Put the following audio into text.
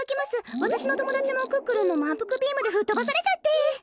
わたしのともだちもクックルンのまんぷくビームでふっとばされちゃって。